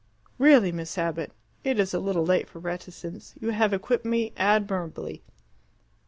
"Really, Miss Abbott, it is a little late for reticence. You have equipped me admirably!"